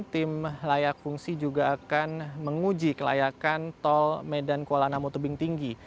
tim layak fungsi juga akan menguji kelayakan tol medan kuala namu tebing tinggi